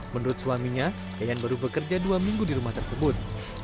menurut suaminya yayan baru bekerja dua minggu di rumah tersebut